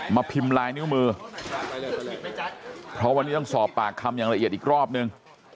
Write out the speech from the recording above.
พิมพ์ลายนิ้วมือเพราะวันนี้ต้องสอบปากคำอย่างละเอียดอีกรอบนึง